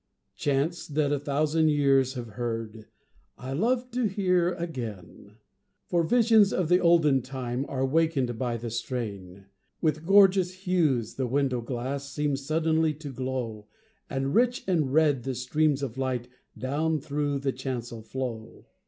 II. Chants, that a thousand years have heard, I love to hear again, For visions of the olden time Are wakened by the strain; With gorgeous hues the window glass Seems suddenly to glow, And rich and red the streams of light Down through the chancel flow.